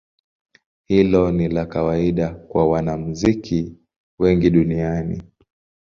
Hilo ni la kawaida kwa wanamuziki wengi duniani.